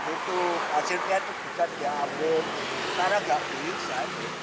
itu hasilnya itu bisa diambil sekarang gak bisa